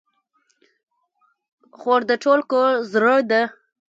خور د ټول کور زړه ده.